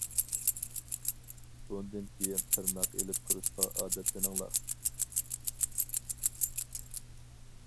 بۇندىن كىيىن تىرناق ئىلىپ تۇرۇشقا ئادەتلىنىڭلار.